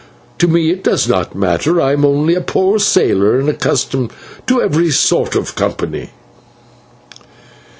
To me it does not matter; I am only a poor sailor, and accustomed to every sort of company."